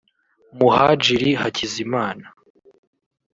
Muhadjiri Hakizimana